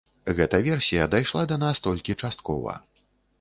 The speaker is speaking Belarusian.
Гэта версія дайшла да нас толькі часткова.